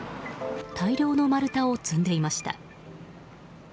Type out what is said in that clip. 大量の丸太を積んでいました。